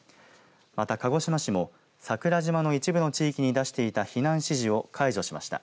また、鹿児島市も桜島の一部の地域に出していた避難指示を解除しました。